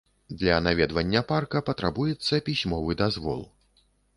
Для наведвання парка патрабуецца пісьмовы дазвол.